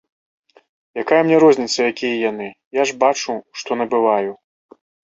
Якая мне розніца, якія яны, я ж бачу, што набываю.